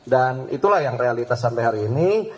dan itulah yang realitas sampai hari ini